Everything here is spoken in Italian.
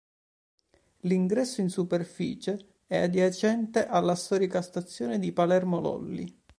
L'ingresso, in superficie, è adiacente alla storica stazione di Palermo Lolli.